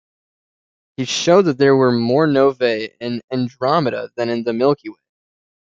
He showed that there were more novae in Andromeda than in the Milky Way.